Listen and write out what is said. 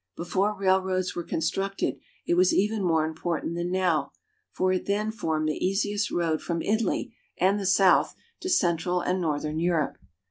Before railroads were constructed, it was even more important than now, for it then formed the easiest road from Italy and the south to central and northern Europe.